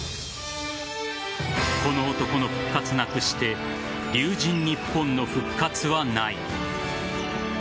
この男の復活なくして龍神ＮＩＰＰＯＮの復活はない。